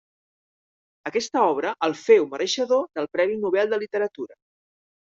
Aquesta obra el féu mereixedor del Premi Nobel de Literatura.